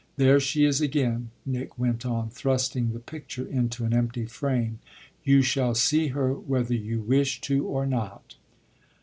There she is again," Nick went on, thrusting the picture into an empty frame; "you shall see her whether you wish to or not."